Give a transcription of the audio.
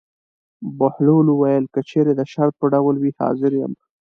بهلول وویل: که چېرې د شرط په ډول وي حاضر یم.